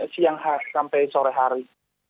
siang sampai sore hari